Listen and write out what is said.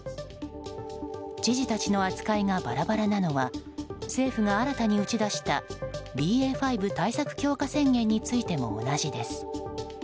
知事たちの扱いがバラバラなのは政府が新たに打ち出したＢＡ．５対策強化宣言についても同じです。